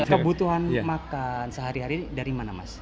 kebutuhan makan sehari hari dari mana mas